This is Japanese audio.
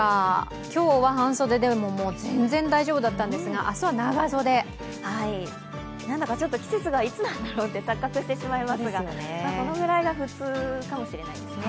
今日は半袖でも全然大丈夫だったんですが、なんだか季節がいつなんだろうと錯覚してしまいますがこのぐらいが普通かもしれないですね。